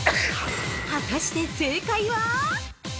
◆果たして正解は。